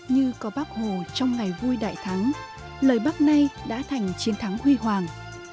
như có bác hồ trong ngày vui đại thắng lời bác nay đã thành chiến thắng huy hoàng